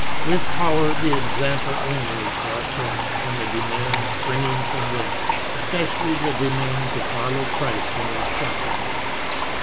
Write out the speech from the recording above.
With power the example only is brought forth, and the demands springing from this, especially the demand to follow Christ in His suffer ings.